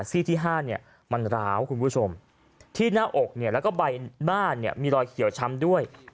ซี่ที่๕มันร้าวคุณผู้ชมที่หน้าอกแล้วก็ใบหน้าเนี่ยมีรอยเขียวช้ำด้วย